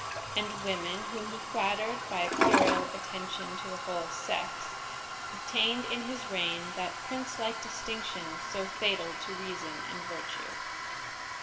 And women, whom he flattered by a puerile attention to the whole sex, obtained in his reign that prince like distinction so fatal to reason and virtue.